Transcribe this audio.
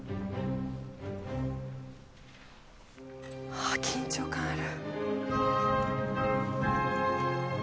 はぁ緊張感ある。